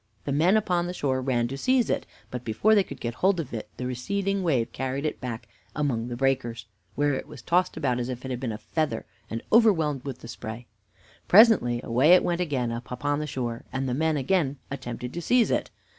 The men upon the shore ran to seize it, but before they could get hold of it the receding wave carried it back again among the breakers, where it was tossed about as if it had been a feather, and overwhelmed with the spray. Presently away it went again up upon the shore, and the men again attempted to seize it.